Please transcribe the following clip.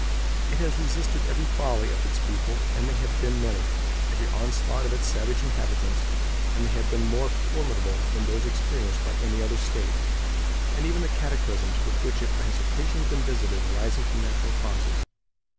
It has resisted every folly of its people, and they have been many; every onslaught of its savage inhabitants, and they have been more formidable than those experienced by any other state; and even the cataclysms with which it has occasionally been visited arising from natural causes.